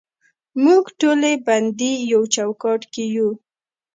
موږ ټولې بندې یو چوکاټ کې یو